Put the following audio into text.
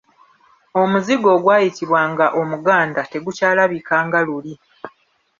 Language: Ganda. Omuzigo ogwayitibwanga omuganda tegukyalabika nga luli.